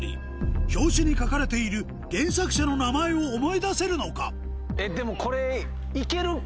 表紙に書かれている原作者の名前を思い出せるのかでも。